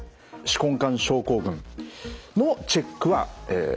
手根管症候群のチェックはえ